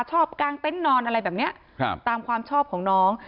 กลางเต็นต์นอนอะไรแบบนี้ตามความชอบของน้อง